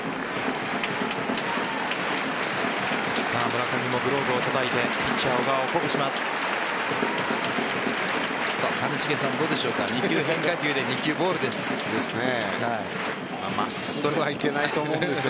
村上もグローブをたたいてピッチャー・小川を鼓舞します。